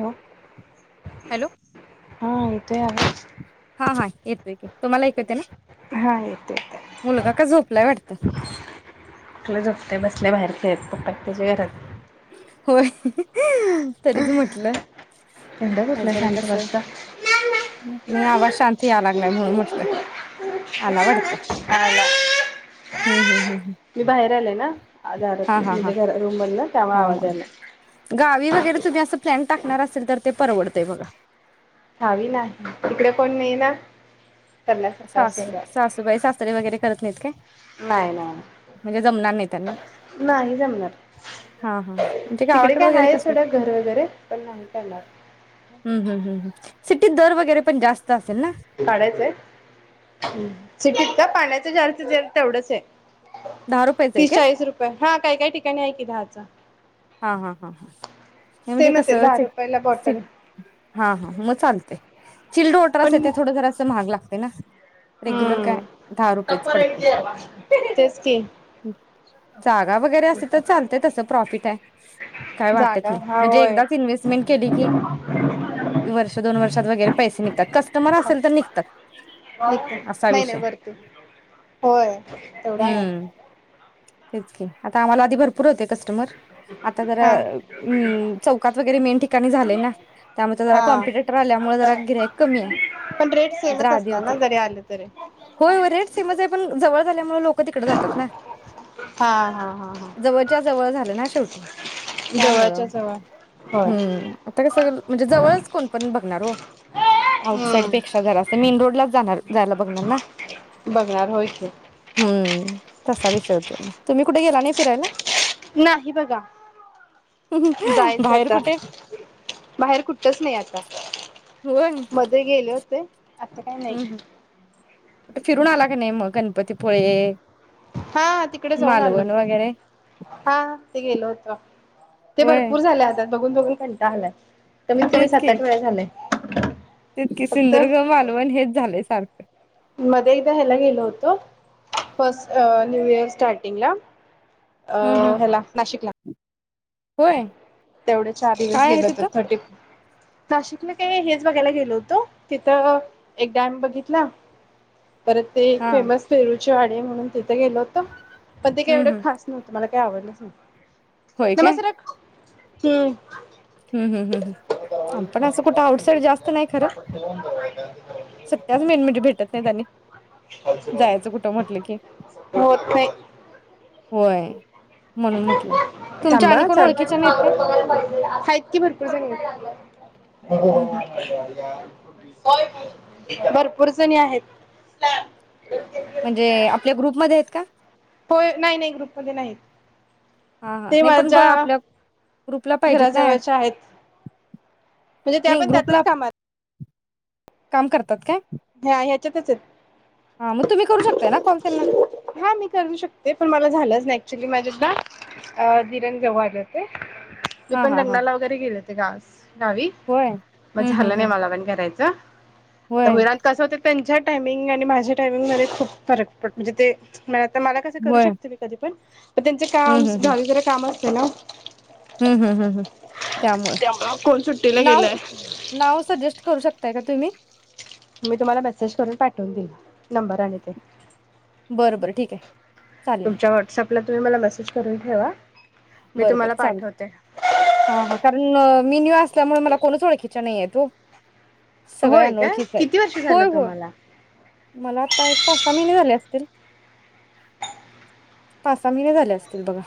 हा हॅलो हा आवाज हा हा येतोय की तुम्हाला येतय? [inaudible] हा येत येत. झोपलाय वाटतं ते बसले बाहेर खेळत पप्पा आहेत त्याच्या घरात. होय तरीच म्हटलं थंड कुठला नाहीतर शांत कस. बसता मी आवाज शांत ति या लागलाय म्हणून म्हटलं आला वाटतं. हम्म हम्म हम्म. मी बाहेर आलंय ना. [inaudible] हा हा त्यामुळे गावी वगैरे तुम्ही असं टाकणार असेल तर ते परवडतय बघा. हवी नाही तिकडे कोण नाही ना. करण्यासारखा सासू असेल सासूबाई सासरे वगैरे करत नाहीत., का नाही नाही म्हणजे जमणार नाही, त्यांना नाही जमणार हा हा म्हणजे तिकडे गावाकडे काय वगैरे आहे कस हम्म सोडा घर वगैरे पण नाही करणार हम्म हम्म हम्म. सिटीत दर वगैरे पण जास्त. काढयचं आहे. [inaudible] दहा रुपयेच आहे तीस काय चाळीस रुपये हा काही काही ठिकाणी आहे दहा हा हा हा हा. हे म्हणजे सेमच कस आहे दहा स रुपयाला स बॉटल हा हा मग चालते. चिल्ड वॉटर असतं ते पण थोडं जरासं महाग लागतंय ना? रेग्युलर काय? हम्म. दहा रुपयेच टप्पर एक पडते. जेवा. तेच की वगैरे असे तर चालतय तसं प्रॉफिट आहे. काय वाटत जागा नाही हा म्हणजे होय. एकदाच इन्व्हेस्टमेंट केली कि- वर्ष दोन वर्षात वगैरे पैसे निघतात कस्टमर असेल तर निघतात. असा नाही नाही विषय. वरती होय तेवढा आहे हम् [unintelligible] आता आम्हाला आधी भरपूर होते कस्टमर- आता जरा हा. अ चौकात वगैरे मेन ठिकाणी झालय ना, त्यामुळे आमचं जरा हा कॉमपिटेटर आल्यामुळे जरा गिऱ्हाईक कमी आहे. पण रेट नाहीतर सेमच आधी असणार ना होते. जरी आले तरी होय हो रेट सेमच आहे पण जवळ झाल्यामुळे लो - तिकडे जातात ना. हा हा हा हा. जवळच्या जवळ झालं ना शेवटी. त्यामुळं जवळच्या जवळ होय -हम्म -आता काय सगळ- म्हणजे जवळच कोण पण बघ- [unintelligible] हम्म आउटसाईडपेक्षा जरा - तर मेन रोड लाच जाणार, जायला बघणार ना? बघणार होय की. हम्म तसा विषय होतोय. म तुम्ही कुठे गेला आनी फिरायला? नाही बघा. जायचं बाहेर आता, कुठे बाहेर कुठच नाही आता, होय मध्ये गेले होते. असं काही नाही. आता फिरून आला का नाही मग गणपतीपुळे- हा- तिकडे जाऊन आलो मालवण की, वगैरे हा ते गेलो होतो -ते होय भरपूर झाले आता. बघुन बघुन कंटाळा आलाय. कमीत कमी तेच सात, की आठ वेळा झालयं. [inaudible] तेच की, सिंधुदुर्ग, मालवण हेच झालय. सारखं मधे एकदा ह्याला गेलो होतो. फस्ट अ न्यू इयर स्टार्टिंगला. अ हम्म हम्म -हेला नाशिकला. होय? तेवढे चार दिवस काय आहे गेलो होतो, तिथं थर्टी- नाशिकला काय -हेच बघायला गेलो होतो, तिथं एक डॅम बघितला. परत ते एक हा फेमस फेर जाॅडी म्हणून ते- गेलो होतो, पण ते काही एवढं हम्म हम्म खास नव्हतं. मला काही आवडलंच नाही. नमा सरक हम्म हम् हम्म हम् हम् आम्हीपण असं कुठं, आउटसाईड जास्त नाही खरं, सट्ट्याच मेन म्हणजे भेटत नाहीत आणि जायचं कुठं म्हटलं की, होत नाही होय, म्हणून म्हटलं तुमच्या आणि थांबा कोण चाल ओळखीच्या नाहीत काय? आहेत की भरपूर जणी. हं हं. [inaudible] भरपूर जणी आहेत. म्हणजे आपल्या ग्रुपमध्ये आहेत का, होय, नाही नाही ग्रुपमध्ये नाहीत. हा हा ते नाही पण ब माझ्या आपल्या ग्रुपला पाहिजेत ना, ऍड घराजवळच्या आहेत म्हणजे, त्या नाही पण ग्रुपला त्यातच कामाात काम करतात काय? हा ह्याच्यातच आहेत. हा मग तुम्ही करू शकताय ना कॉल त्यांना हा मी करू शकते, पण मला झालंच नाही. [unintelligible] मी हा पण हा हा लग्नाला वगैरे गेल्यात तिरास गावी होय म झालं नाय मला पण करायचं तर व्हय होईरात कसं त्यांच्या टायमिंग आणि माझे टायमिंगमध्ये खूप फरक पड म्हणजे ते म्या तर मला कसं करू होय शकते मी कधी पण म त्यांचे काम हम्म हम्म झााल ज काम ते लाव हम्म हम्म हम्म हम्म त्यामुळ त्यामुळं कोण सुट्टीला नाव गेलंय. नाव सजेस्ट करू शकताय का तुम्ही मी तुम्हाला मेसेज करून पाठवून दिल नंबर आणि ते बर बर ठीक ये चालेल तुमच्या व्हॉट्सअपला तुम्ही मला मेसेज करून ठेवा मी बरोबर तुम्हाला चाल पाठवते. हा ह कारण अ मी न्यू असल्यामुळे मला कोणच ओळखीच्या नाहीयेत तूप सगळ्या होय का अनोळखीच आहेत किती वर्ष झालं होय होय तुम्हाला मला आता एक तास महिने झाले असतील पाच सहा महिने झाले असतील बघा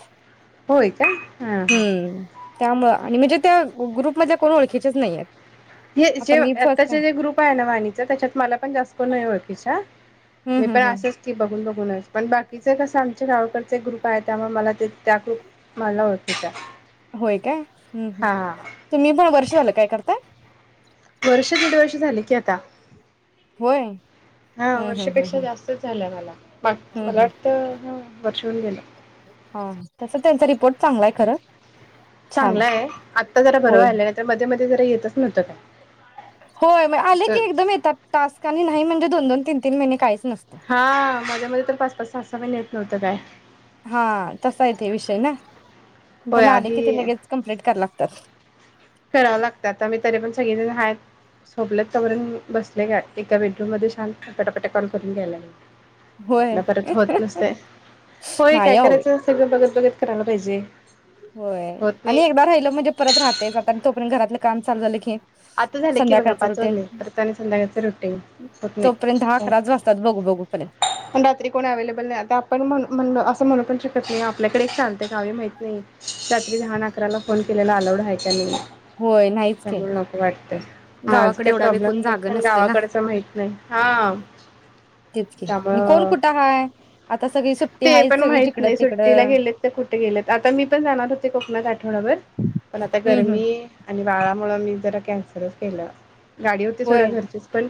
होय का हा हा त्यामुळ आणि म्हणजे त्या ग्रुप मधल्या कोण ओळखीच्याच नाही येत हे जे आताचे जे ग्रुप आहे ना वाणीच त्याच्यात मला पण जास्त कोण नाय ओळखीचा मी हम्म पण हम्म हम्म आसच की बघून बघून पण बाकीच कसं आमचे गावकडचे ग्रुप आहे त्यामुळे मला ते त्या ग्रुप मला ओळखीचा होय काय हम् हम् हा हा तुम्ही वर्ष झालं काय करताय वर्ष दीड वर्ष झाले की आता. होय हा हम्म हम्म हम्म वर्षपेक्षा हम्म जास्तच झालं मला पाट हम्म मला हम्म वाटतं ह वर्ष होऊन गेल हा तस त्यांचा रिपोर्ट चांगलाय खरं छान आहे चांगलाये आत्ता जरा बर होय व्हयलाय नाही तर मधी मधी इथे जरा येतात नव्हते बाई होय म आले की एकदम येतात टास आणि नाही म्हणजे दोन दोन तीन तीन महिने कायच हा माझ्या मध्ये तर पाच पाच सहा सहा महिने येत नव्हत. तर काय हा तसा येत हे विषय ना. होय पण आले कि मी आधी लगेच कंप्लीट करणार. तर करावं लागतं आता मी तरी पण सगळे हायत झोपले तवर बसले का एका बेडरूम मध्ये शांत पटापटा कॉल करून घ्यायला. होय आप परत होत नसते होय काय नाही अहो करायचं सगळं बघत बघत करायला पाहिजे होय होत आणि नाही एकदा राहिलं म्हणजे परत राहतेच आता तोपर्यंत घरातलं काम चालू झालं की आता झाले की बघा संध्याकाळचं पाच रुटीन वाजले. परत आणि संध्याकाळच रुटीन होत तोपर्यंत दहा नाही अकराच वाजतात बघू बघूपर्यंत पण रात्री कोणी अवलेबल नाही आता आपण म्हण अस म्हणू पण शक तशी आपल्याकडे एक चालत काही माहित नाही रात्री दहा ना अकराला फोन केलेला अलाउड आहे का नाही. होय नाहीच की माझ गावाकडे काही एवढा वेळ प्रॉब्लेम कोण नाही जाग पण नसते ना गावाकडच माहित नाही हा तेच की आणि कोण त्यामुंळ कुठं हाय आता सगळी सुट्टी ते हाय पण सगळी माहित जिकडं नाही सुट्टीला तिकडं गेलेत तर कुठे गेलेत आता मी पण जाणार होते कोकणात आठवडावरर पण आता हम्म हम्म गरमी आणि बाळामुळे मी जरा कॅनसल केलं. गाडी होते थोड्या होय घरचीच पण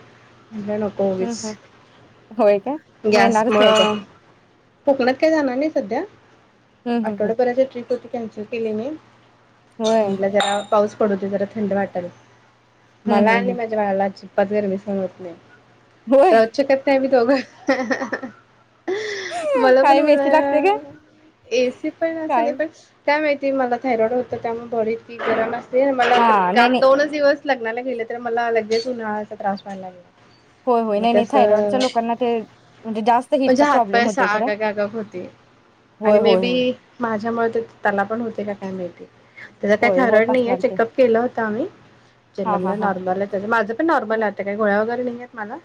म्हटलं नको हम्म हम्म होय काय उगीच मग येणारच नाही काय गॅसमुळं कोकणात काय जाणार नाही सध्या हम्म हम्म हम्म आठवड्यापर्यंत ट्रिप होती. त्यांच्या केले मी होय म्हटलं जरा पाऊस पडू दे जरा थंड वातावरण हम्म मला हम्म आणि हम्म माझ्या बाळाला पदर भी समजतं नाही. होय [unintelligible] [unintelligible] मला पण काय मेसी लागते काय एसी पण काय असेल पण काय माहिती ती मला थायरॉड होत त्यामुळे बरीच मी गरम असते. मला हा नाही काल नाही दोनच लग्नाला गेलं तर मला लगेच उन्हाळ्याचा त्रास व्हायला लागला. होय होय म नाही नाही त्यास थायरॉइडच्या लोकांना ते म्हणजे जास्त म्हणजे हिटचा प्रॉब्लेम हातपायस होतोय खरं आगग आगग होती होय आणि मे होय बी होय माझ्यामुळे तर त्याला पण होते का काय माहिती. त्याचा होय काही रड होत नाहीये असणार की चेकअप केला होता आम्ही ज हा हा मला हा नॉर्मल आहे त्या माझं पण नॉर्मल आहेतं काय गो्ळ्या वगैरे माला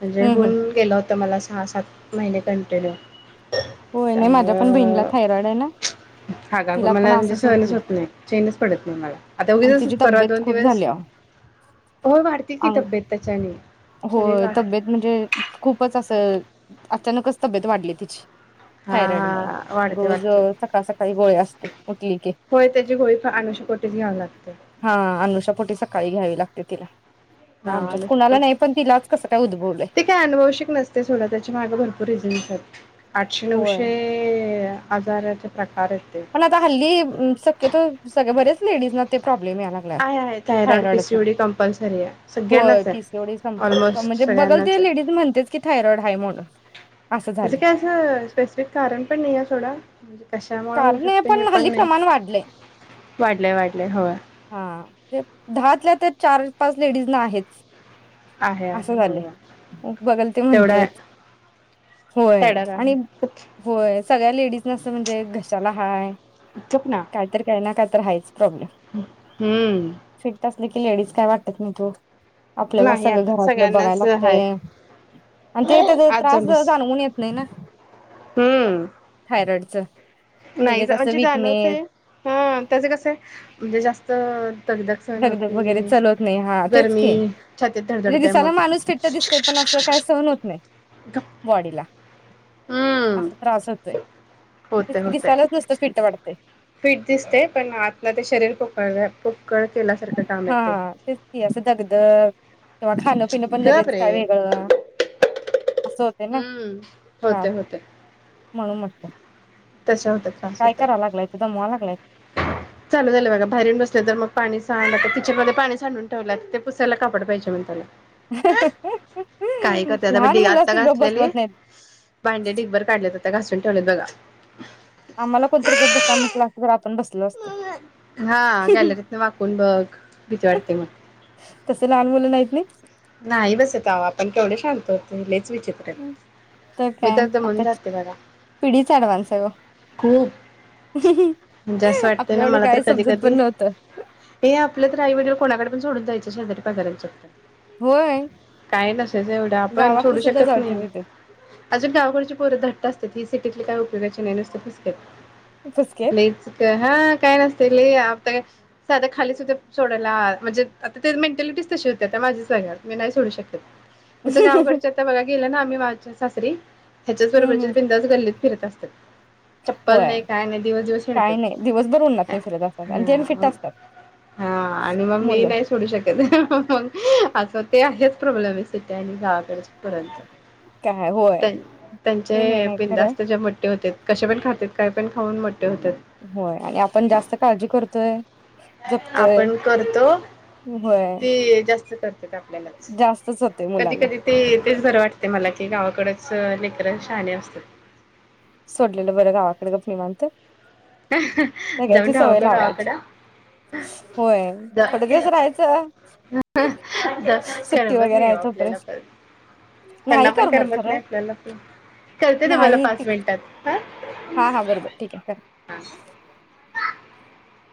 म्हणजे हम्म हम्म होऊन गेला होतं मला ह सात महिने कंटिन्यू! होय नाही माझ्या पण बहिणीला त्यामुळं थायरॉइड आहे ना हागा तिला पण मला म्हणजे असंच सहनच होते होत नाही मला! चेनच पडत नाही मला! आता आणि उगीच तिची परवा तब्येत दोन खूप दिवस झाली होय वाढते की तब्येत त्याच्याने शरीर होय वाढतं तब्येत म्हणजे खूपच अस अचानकच तब्येत वाढली तिची! थायरॉइड मूळ हा वाढते रोज वाढते सकाळ सकाळी गोळे असते! उठली की! होय त्याची गोळी अनुषकोटीच घ्यावी लागते हा अनुषापोटी सकाळी घ्यावी लागते! ते तिला आमच्यात हा कुणाला नाही पण तिलाच कसं काय उद्भवलंय ते काही आनुवंशिक नसतेय! सोडा त्याच्या माग भरपूर रिझन्स येत! आठशे होय नऊशे ते आजाराचे प्र अरे! पण आता हल्ली शक्यतो सगळे बरेच लेडीज ते प्रॉ् आहे आहे थायरॉइड थायॉडचा पीसीओडी कंपल्सरी आहे होय सगळ्यांनाच पीसीयूडि आहे संपून ऑलमोस्ट म्हणजे बघल सगळ्यांनाच ते आहे लेडीज म्हणते की थायरॉइड हाय म्हणून! असं त्याच झालंय काय असं स्पेसिफिक कारण पण नाहीये सोडा! म्हणजे? कशामुळे होऊ कारण आहे शकते हे पण हल्ली नाही! प्रमाण वाढलंय वाढलय वाढलय ह! हा तर चार पाच लेडीज ना आहेच! आहे असं आहे झालंय होय बघल ते तेवढा आहे म्हणतेयच! होय तेडर आहे आणि होय सगळ्या लेडीज म्हणजे घश्याला हाय गप ना काहीतरी काही काय! हायचं! हम्म देख लेडीज काय वाटतात नाहीत ओ! आपल्याला अस नाही आता घरात बघाय सगळ्यांनाच आहे लागतय! आणि ते त्या आज त्रास जाऊन बस जाणवून येत नाही ना! हम्म इकडच! नाही म्हणजे जाणवतय! हा त्याच कस म्हणजे जास्त दगदग सहन होत धगधग वगैरे नाही चलवत नाही! हा तेच की! गरमी छातीत म्हणजे धडधडते मग दिसायला माणूस फिट्ट दिसतय! पण अस काही सहन होत नाही गप बॉडीला! हम्म असा त्रास होतोय तेच होतय की होतय दिसायलाच नुसतं फिट्ट वाटतंय फिट दिसते पण आतन ते शरीर पोक हा तेच की असं दगदग तवा खाणं पिणं पण गप लगेच रे काय वेगळं असं होतंय ना हम्म त्रास होतेय होतय. म्हणून म्हटलं त्रास काय होतय कराय लागलाय दमवा लागलाय चालू झालं बघा बाहेरून बसले तर मग पाणी सांड, किचनमध्ये पाणी सांडून ठेवल्यात ते पुसायला कापड पाहिजे म्हण त्याला काही करता लहान भांडी आता मुलासनी गप घासलेले बसवत नाहीत भांडे डिगभर काढलेत आता घासुन ठेवलेत बगा आम्हाला कोणतरी गप बसा म्हटलं असंत तर आपण बसलो असतो हा गॅलरीतन वाकून बघ भिती वाटते मग तसं लहान मुलं नाहीत नाही नाही बसत आवा केवढ शांत होतं ते विचित्र आहेत. मी काय तर दमून आता जाते बघा पिढीच ऍडव्हान्स आहे ओ खूप जस वाटते आपल्या ना एवढं मला तर काय कधी समजत कधी पण नव्हतं हे आपलं तर आई वडील कोणाकडे -पण सोडून जायचे शेजाऱ्या-पाजाऱ्यांच्याकडं होय काय नसेच एवढं आपण गावातली सोडू सुद्धा शकत जाळते नाही तिथे अजं गावकडची पोर घट्ट असते ही सिटीतली काय उपयोगाची नाही नुसत फुसके फुसकच नाहीच का हा काय नस ते लय आता साधं खाली सुद्धा सोडायला म्हणजे आता ते मेंटॅलिटीच तशी होती्या त्या माझी सगळ्यात मी नाही सोडू शकत तसं हम्म गावकडच्या आता बघा गेलं ना आम्ही च्या सासरी ह्याच्याच हम्म बरोबरचे बिंदास गल्लीत फिरत असतात. चप्पल होय नाही काय नाही दिवस दिवस काही हिंडतात नाही दिवसभर उन्हात हा नाही फिरत असतात आणि ते फिट म असतात हा आणि मग मी मुलं नाही सोडू शकत म असं त्या हेच प्रॉब्लेम आहे सिट्या आणि गावाकडचे परत काय होय त्यां त्यांचे ते हे मेन आहे खरं बिंदास्त जे मोट्ठे होतात. कशे पण खातात काय पण खाऊन मो होय आणि आपण जास्त काळजी करतोय जपतोय आपण करतो होय. ते जास्त करतेत जास्तच होते कधी मुलांना कधी ते तेच बरं वाटते. मला की गावाकडच लेकर शाणे असतात. सोडलेलं बरं गावाकडे गप्प निवांत. जाऊन सगळ्याची राहाव सवय काय लावायची गावाकडं होय थोडे दिवस राहायचं सुट्टी करमत वगैरे नाही हो आहे आपल्याला तोपर्यंत पण त्यांना नाही पण करमत नाही खरं आपल्याला पण, करते तुम्हाला नाही ती पाच मिनिटात. हा हा बरबर ठीक आहे का. का